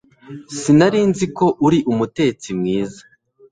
Sinari nzi ko uri umutetsi mwiza